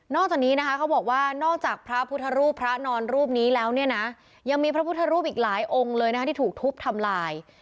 จากนี้นะคะเขาบอกว่านอกจากพระพุทธรูปพระนอนรูปนี้แล้วเนี่ยนะยังมีพระพุทธรูปอีกหลายองค์เลยนะคะที่ถูกทุบทำลาย